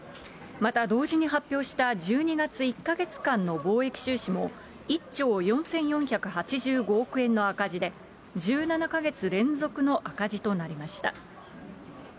また、同時に発表した１２月・１か月間の貿易収支も１兆４４８５億円の赤字で、１７か月連続の赤字となりました。